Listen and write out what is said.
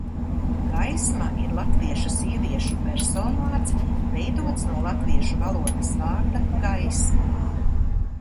"Gaisma ir latviešu sieviešu personvārds, veidots no latviešu valodas vārda "gaisma"."